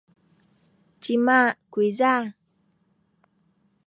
cima kuyza?